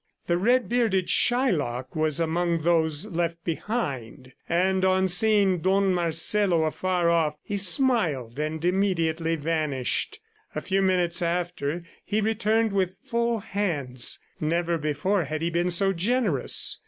The red bearded Shylock was among those left behind, and on seeing Don Marcelo afar off, he smiled and immediately vanished. A few minutes after he returned with full hands. Never before had he been so generous.